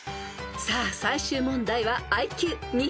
［さあ最終問題はＩＱ２００］